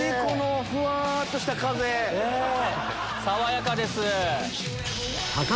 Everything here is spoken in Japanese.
爽やかです。